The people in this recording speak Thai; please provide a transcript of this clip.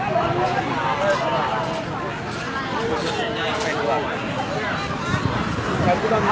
ไว้อยู่ไหม